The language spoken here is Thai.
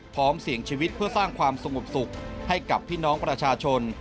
พร้อมเสี่ยงชีวิตเพื่อสร้างความสงบสุขให้กับพี่น้องประชาชน